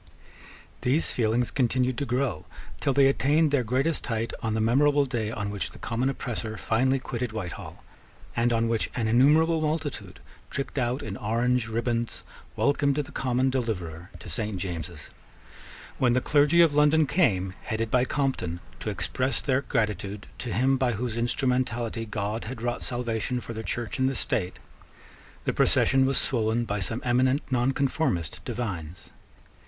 These feelings continued to grow till they attained their greatest height on the memorable day on which the common oppressor finally quitted Whitehall, and on which an innumerable multitude, tricked out in orange ribands, welcomed the common deliverer to Saint James's. When the clergy of London came, headed by Compton, to express their gratitude to him by whose instrumentality God had wrought salvation for the Church and the State, the procession was swollen by some eminent nonconformist divines.